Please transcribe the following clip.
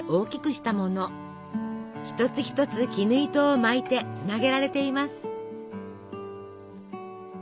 一つ一つ絹糸を巻いてつなげられています。